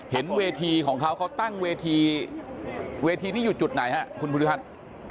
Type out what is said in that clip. คนเวทีของเขาเขาตั้งเวทีที่อยู่จุดไหนครับหายคูณภูมิพัฒน์